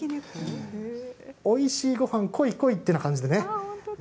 おいしいごはん、こいこいという感じでね。